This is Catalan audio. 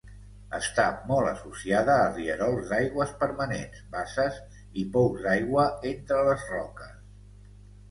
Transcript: Està molt associada a rierols d'aigües permanents, basses i pous d'aigua entre les roques.